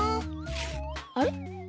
あれ？